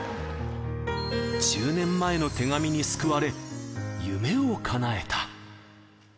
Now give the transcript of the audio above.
１０年前の手紙に救われ、夢をかなえた。